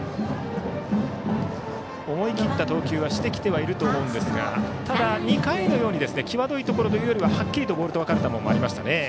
思い切った投球はしてきてると思うんですがただ、２回のように際どいところというよりはっきりとボールと分かる球もありましたね。